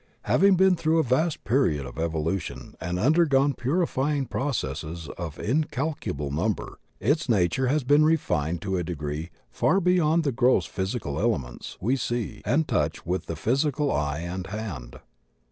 Having been through a vast period of evo lution and undergone purifying processes of an incal culable number, its nature has been refined to a degree far beyond the gross physical elements we see and touch with the physical eye and hand.